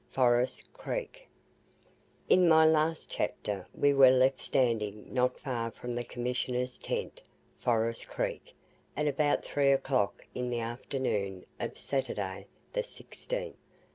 FOREST CREEK In my last chapter we were left standing not far from the Commissioners' tent, Forest Creek, at about three o'clock in the afternoon of Saturday, the 16th.